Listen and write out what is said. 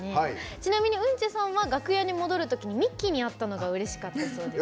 ちなみにウンチェさんは楽屋に戻るときミッキーに会ったのがうれしかったそうです。